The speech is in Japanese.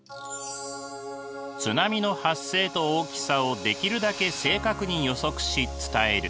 津波の発生と大きさをできるだけ正確に予測し伝える。